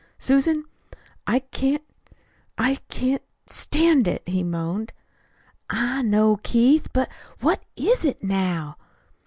"Susan, I can't! I can't stand it," he moaned. "I know, Keith. But, what is it now?"